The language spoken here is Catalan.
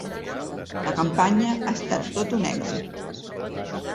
La campanya ha estat tot un èxit.